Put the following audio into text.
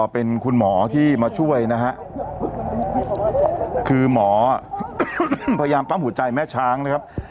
เป็นคุณหมอที่มาช่วยนะฮะคือหมอพยายามปั๊มหัวใจแม่ช้างนะครับ